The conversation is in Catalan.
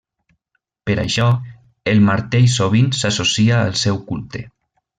Per això el martell sovint s'associa al seu culte.